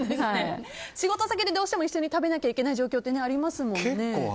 仕事先でどうしても一緒に食べなきゃいけない結構ありますね。